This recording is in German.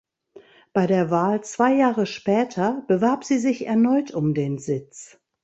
Bei der Wahl zwei Jahre später bewarb sie sich erneut um den Sitz.